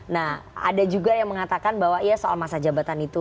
nah ada juga yang mengatakan bahwa ya soal masa jabatan itu